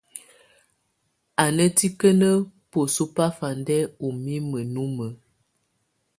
Tù nà tikǝ́nǝ́ besuǝ̀ bafandɛ ù mimǝ́ numǝ́.